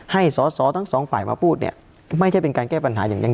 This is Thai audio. ให้สอสอทั้งสองฝ่ายมาพูดเนี่ยไม่ใช่เป็นการแก้ปัญหาอย่างนั้น